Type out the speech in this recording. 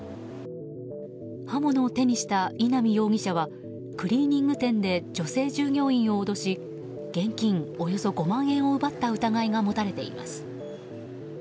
刃物を手にした稲見容疑者はクリーニング店で女性従業員を脅し現金およそ５万円を奪った疑いが持たれています。